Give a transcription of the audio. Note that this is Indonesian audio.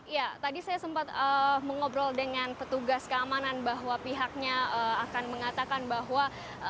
ya tadi saya sempat mengobrol dengan petugas keamanan bahwa pihaknya akan mengatakan bahwa